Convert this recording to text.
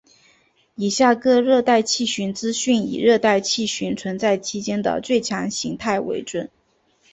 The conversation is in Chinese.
以下各热带气旋资讯以热带气旋存在期间的最强形态为准。